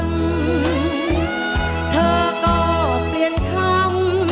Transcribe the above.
เธอก็เปลี่ยนคำ